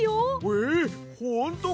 えっほんとかや！